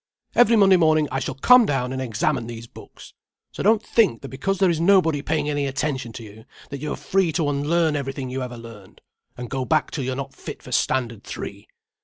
Every Monday morning I shall come down and examine these books. So don't think that because there is nobody paying any attention to you, that you are free to unlearn everything you ever learned, and go back till you are not fit for Standard Three.